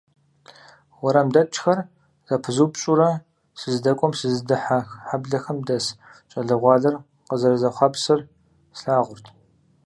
УэрамдэкӀхэр зэпызупщӀурэ сыздэкӀуэм, сызыдыхьэ хьэблэхэм дэс щӀалэгъуалэр къызэрызэхъуапсэр слъагъурт.